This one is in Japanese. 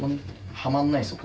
はまんないんですよ